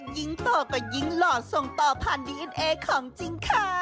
ยิ่งโตก็ยิ่งหล่อส่งต่อผ่านดีเอ็นเอของจริงค่ะ